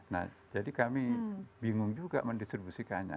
nah jadi kami bingung juga mendistribusikannya